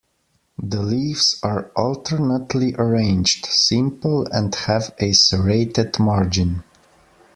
The leaves are alternately arranged, simple, and have a serrated margin.